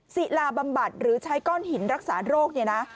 ศิลาบำบัดหรือใช้ก้อนหินรักษาโรคเนี่ยนะ